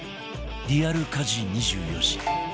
リアル家事２４時